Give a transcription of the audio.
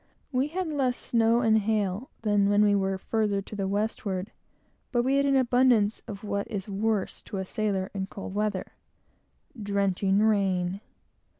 We had less snow and hail than when we were farther to the westward, but we had an abundance of what is worse to a sailor in cold weather drenching rain.